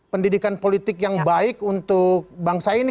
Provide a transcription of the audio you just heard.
pendidikan politik yang baik untuk bangsa ini